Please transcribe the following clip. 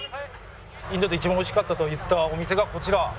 インドで一番美味しかったといったお店がこちら。